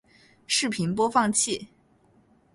视频播放器